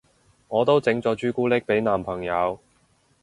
我都整咗朱古力俾男朋友